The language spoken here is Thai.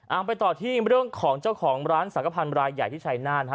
เอาไปต่อที่เรื่องของเจ้าของร้านสังขพันธ์รายใหญ่ที่ชายนาฏนะฮะ